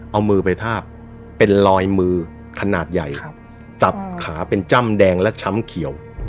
เอามือไปทาบเป็นลอยมือขนาดใหญ่จับขาเป็นจ้ำแดงและช้ำเขียว